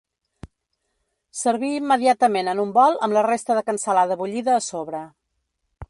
Servir immediatament en un bol amb la resta de cansalada bullida a sobre.